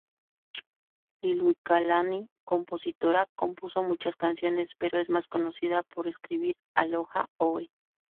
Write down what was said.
Liliuokalani, compositora, compuso muchas canciones, pero es más conocida por escribir "Aloha Oe".